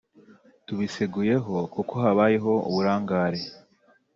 tubiseguyeho kuko habayeho uburangare